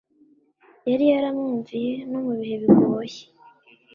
yari yaramwumviye no mu bihe bigoye